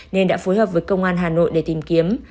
nên đã phối hợp với công an hà nội để tìm kiếm